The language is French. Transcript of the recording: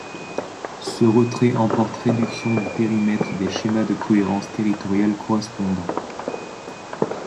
Ce retrait emporte réduction du périmètre des schémas de cohérence territoriale correspondants.